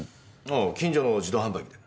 ああ近所の自動販売機で。